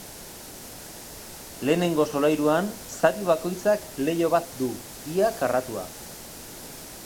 Lehenengo solairuan, zati bakoitzak leiho bat du, ia karratua.